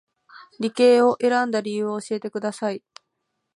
理系を選んだ理由を教えてください